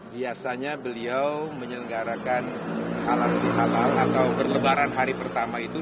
biasanya beliau menyelenggarakan halal bihalal atau berlebaran hari pertama itu